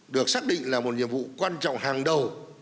được xác định là một nhiệm vụ quan trọng hàng đầu